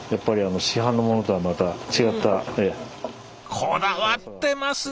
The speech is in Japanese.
こだわってますね！